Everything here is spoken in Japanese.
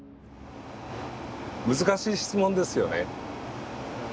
難しい質問ですよね。